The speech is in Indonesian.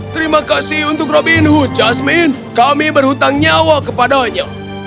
terima kasih untuk robin hood jasmin kami berhutang nyawa kepadanya